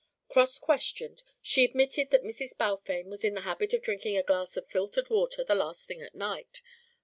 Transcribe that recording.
Cross questioned, she admitted that Mrs. Balfame was in the habit of drinking a glass of filtered water the last thing at night.